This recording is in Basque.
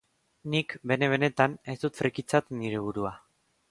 Nik, bene-benetan, ez dut frikitzat nire burua.